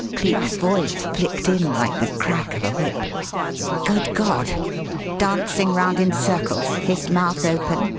Cleek's voice flicked in like the crack of a whip. "Good God! Dancing round in circles? His mouth open?